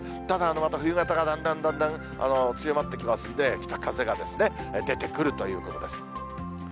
ただ、また冬型がだんだんだんだん強まってきますんで、北風が出てくるということです。